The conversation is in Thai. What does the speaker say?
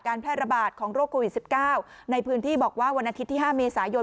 แพร่ระบาดของโรคโควิด๑๙ในพื้นที่บอกว่าวันอาทิตย์ที่๕เมษายน